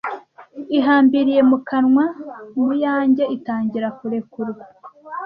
Ihambiriye mu kanwa, muyanjye itangira kurekurwa.)